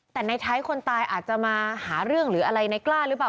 แต่ในไทยคนตายอาจจะมาหาเรื่องหรืออะไรในกล้าหรือเปล่า